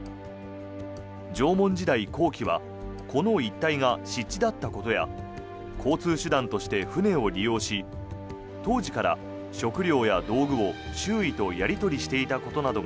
縄文時代後期はこの一帯が湿地だったことや交通手段として船を利用し当時から食料や道具を周囲とやり取りしていたことなどが